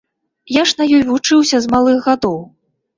Я ж на ёй вучыўся з малых гадоў.